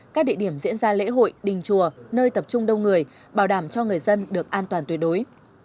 các địa điểm diễn ra lễ hội đình chùa nơi tập trung đông người bảo đảm cho người dân được an toàn tuyệt đối